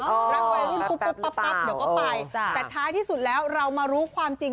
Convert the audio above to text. รักวัยรุ่นปุ๊บปั๊บปั๊บเดี๋ยวก็ไปแต่ท้ายที่สุดแล้วเรามารู้ความจริง